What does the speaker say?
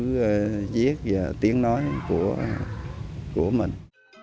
cái chữ viết và tiếng nói của của mình